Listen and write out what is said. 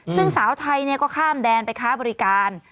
ซึ่งสาวไทยก็ข้ามแดนไปค้าบริการ